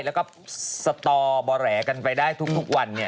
แล้วก็สตอบ่อแหลกันไปได้ทุกวัน